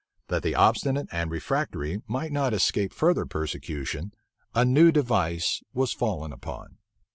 That the obstinate and refractory might not escape further persecution, a new device was fallen upon.